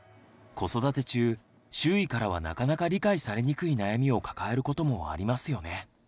子育て中周囲からはなかなか理解されにくい悩みを抱えることもありますよね。